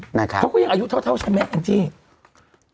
เขาก็ยังอายุเท่าใช่ไหมแองจี้